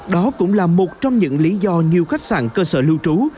đó cũng là một trong những lý do nhiều khách sạn cơ sở lưu trú